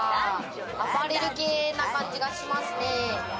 アパレル系な感じがしますね。